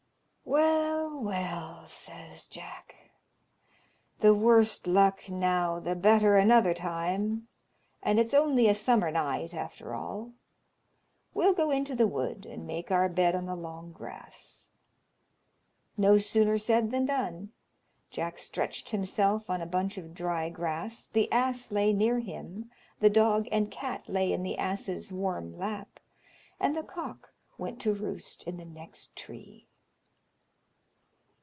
"Well, well," says Jack, "the worse luck now the better another time, and it's only a summer night after all. We'll go into the wood, and make our bed on the long grass." No sooner said than done. Jack stretched himself on a bunch of dry grass, the ass lay near him, the dog and cat lay in the ass's warm lap, and the cock went to roost in the next tree.